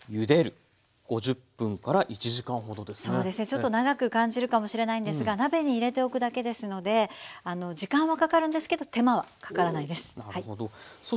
ちょっと長く感じるかもしれないんですが鍋に入れておくだけですので時間はかかるんですけど手間はかからないです。